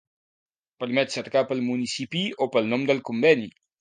Permet cercar pel municipi o pel nom del conveni.